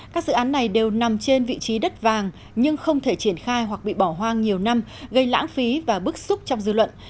các dự án này đều nằm trên vị trí đất vàng nhưng không thể triển khai hoặc bị bỏ hoang nhiều năm gây lãng phí và bức xúc trong dư luận